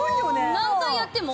何回やっても。